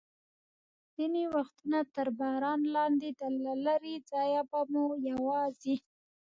ځینې وختونه تر باران لاندې، له لرې ځایه به مو یوازې.